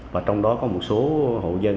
và trong đó có một số hộ dân